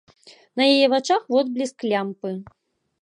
На яе вачах водблеск лямпы.